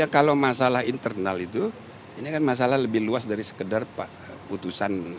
kalau masalah internal itu ini kan masalah lebih luas dari sekedar putusan